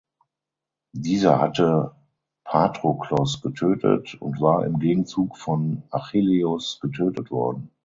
Dieser hatte Patroklos getötet und war im Gegenzug von Achilleus getötet worden.